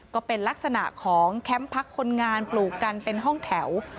ก็เป็นลักษณะของแคมป์พักคนงานปลูกกันเป็นห้องแถว